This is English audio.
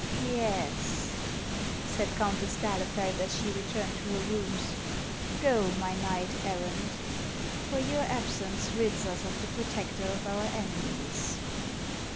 " Yes," said Countess d'Ahlefeld, as she returned to her rooms ;" go, my knight errant, for your absence rids us of the protector of our enemies.